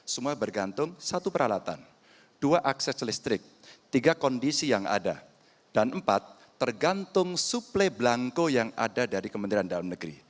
semua bergantung satu peralatan dua akses listrik tiga kondisi yang ada dan empat tergantung suplai belangko yang ada dari kementerian dalam negeri